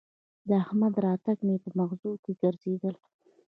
د احمد راتګ مې به مغزو کې ګرځېدل